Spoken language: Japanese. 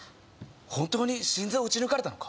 本当に心臓打ち抜かれたのか？